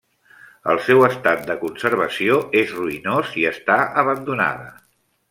El seu estat de conservació és ruïnós i està abandonada.